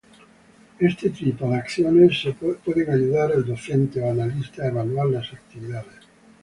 Este tipo de acciones, pueden ayudar al docente o analista a evaluar las actividades.